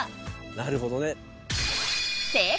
なるほどね。